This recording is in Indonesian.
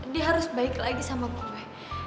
dia harus baik lagi sama gue